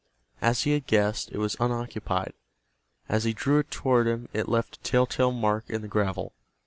As he had guessed, it was unoccupied. As he drew it toward him it left a tell tale mark in the gravel.